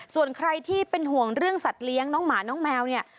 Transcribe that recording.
ส่วนใครที่เป็นห่วงเรื่องสัตว์เลี้ยงน้องหมาน้องแมวเนี่ย